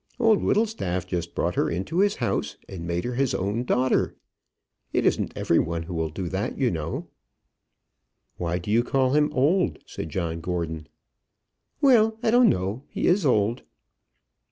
Old Whittlestaff just brought her into his house, and made her his own daughter. It isn't every one who will do that, you know." "Why do you call him old?" said John Gordon. "Well; I don't know. He is old."